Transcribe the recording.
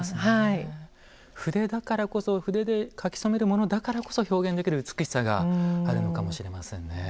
筆だからこそ筆で描き染めるものだからこそ表現できる美しさがあるのかもしれませんね。